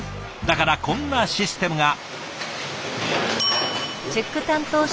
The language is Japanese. だからこんなシステムが。